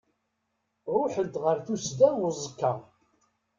Ruḥen-t ɣer tusda uẓekka.